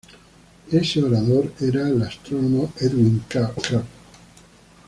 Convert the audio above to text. Ese orador era el astrónomo Edwin Krupp.